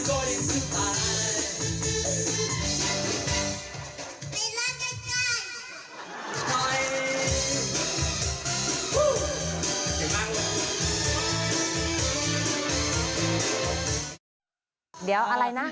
เดี๋ยวอะไรนะ